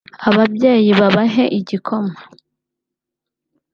ababyeyi babahe igikoma